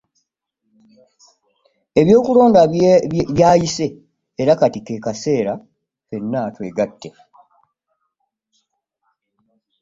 Ebyokulonda byayise era kati ke kaseera ffenna twegatte